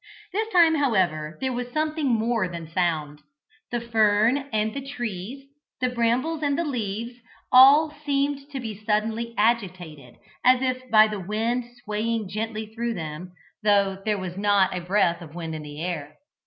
This time, however, there was something more than sound. The fern and the trees, the brambles and the leaves, all seemed to be suddenly agitated as if by the wind swaying gently through them, though there was not a breath of wind in the air.